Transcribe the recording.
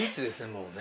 もうね。